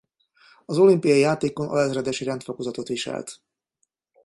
Az olimpiai játékon alezredesi rendfokozatot viselt.